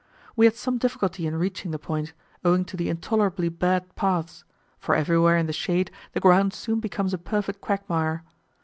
We had some difficulty in reaching the point, owing to the intolerably bad paths; for everywhere in the shade the ground soon becomes a perfect quagmire.